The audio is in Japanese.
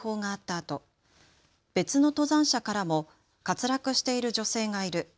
あと別の登山者からも滑落している女性がいる。